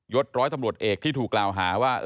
ศร้อยตำรวจเอกที่ถูกกล่าวหาว่า